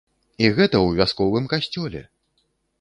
І гэта ў вясковым касцёле!